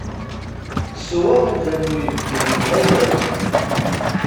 Sew afenǧal n uyefki. Yelha-ak.